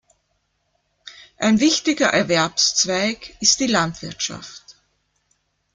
Ein wichtiger Erwerbszweig ist die Landwirtschaft.